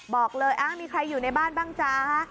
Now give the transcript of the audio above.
บอกเลยมีใครอยู่ในบ้านบ้างจ๊ะ